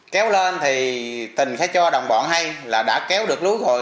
kéo lên thì tình sẽ cho đồng bọn hay là đã kéo được lú rồi